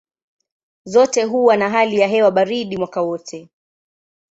Zote huwa na hali ya hewa baridi mwaka wote.